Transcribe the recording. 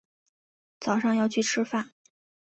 早上要去吃饭